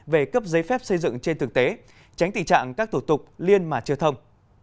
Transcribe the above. về cấp giấy phép xây dựng trên thực tế tránh tình trạng các thủ tục liên mà chưa thông